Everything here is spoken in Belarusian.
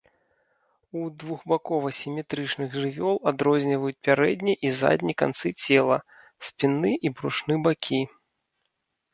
У двухбакова-сіметрычных жывёл адрозніваюць пярэдні і задні канцы цела, спінны і брушны бакі.